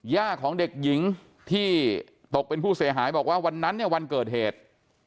ย่าของเด็กหญิงที่ตกเป็นผู้เสียหายบอกว่าวันนั้นเนี่ยวันเกิดเหตุ